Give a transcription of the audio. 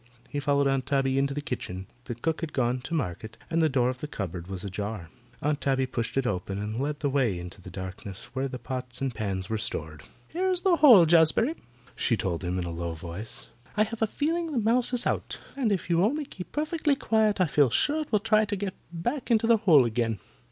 He followed Aunt Tabby into the kitchen. The cook had gone to market and the door of the cupboard was ajar. Aunt Tabby pushed it open and led the way into the darkness where the pots and pans were stored. "Here's the hole, Jazbury," she told him in a low voice. "I have a feeling the mouse is out, and if you only keep perfectly quiet I feel sure it will try to get back into the hole again.